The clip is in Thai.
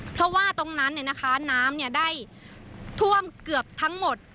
เพราะว่าตรงนั้นเนี่ยนะคะน้ำเนี่ยได้ท่วมเกือบทั้งหมด